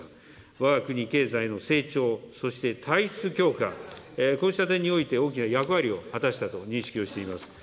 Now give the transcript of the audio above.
わが国経済の成長、そして体質強化、こうした点において大きな役割を果たしたと認識をしております。